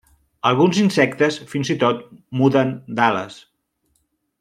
Alguns insectes fins i tot muden d'ales.